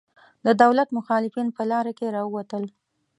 د دولت مخالفین په لاره کې راوتل.